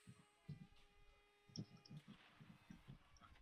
为金印驼纽王。